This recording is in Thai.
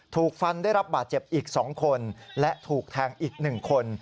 ถูกฟันได้รับบาดเจ็บอีก๒คนและถูกแทงอีก๑คน